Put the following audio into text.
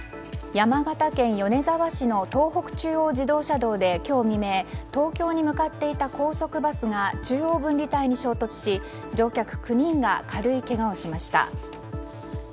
山形県米沢市の東北中央自動車道で今日未明東京に向かっていた高速バスが中央分離帯に衝突し乗客９人が軽いけがをしました。